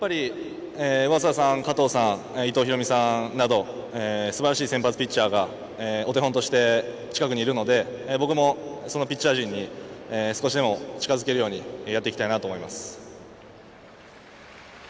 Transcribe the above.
やっぱり上沢さん、加藤さん伊藤大海さんなどすばらしいピッチャーがお手本として近くにいるので僕もそのピッチャー陣に少しでも近づけるようにやっていきたいなと思います。